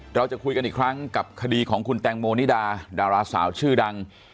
เราจะคุยกันอีกครั้งกับคดีของคุณแตงโมนิดาดาราสาวชื่อดัง